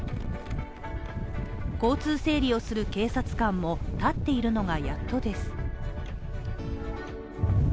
交通整理をする警察官も立っているのがやっとです。